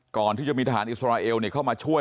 ก่อนที่จะมีทหารอิสราเอลเข้ามาช่วย